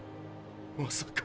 まさか。